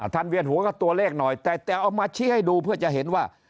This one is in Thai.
เวียนหัวก็ตัวเลขหน่อยแต่เอามาชี้ให้ดูเพื่อจะเห็นว่า